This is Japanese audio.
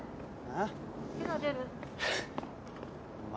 あっ。